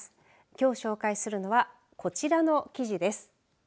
きょう紹介するのはこちらの記事です。